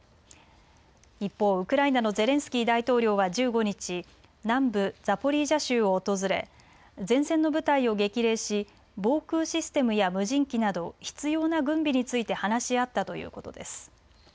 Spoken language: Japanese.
一方、ウクライナのゼレンスキー大統領は１５日、南部ザポリージャ州を訪れ前線の部隊を激励し防空システムや無人機など必要な軍備について話し合ったということです。